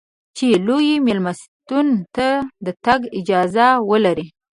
چې لویو مېلمستونو ته د تګ اجازه ولرې.